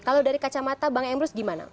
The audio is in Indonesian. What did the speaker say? kalau dari kacamata bang emrus gimana